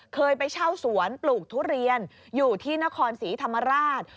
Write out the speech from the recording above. เคยไปเช่าสวนปลูกทุเรียนอยู่ที่นครศรีธรรมราช